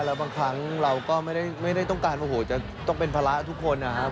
แล้วบางครั้งเราก็ไม่ได้ต้องการทำเป็นภาระทุกคนนะครับ